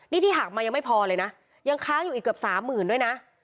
นี่ที่หักมายังไม่พอเลยนะยังค้างอยู่อีกเกือบสามหมื่นด้วยนะ